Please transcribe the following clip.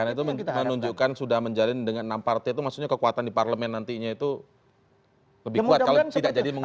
karena itu menunjukkan sudah menjalin dengan enam partai itu maksudnya kekuatan di parlemen nantinya itu lebih kuat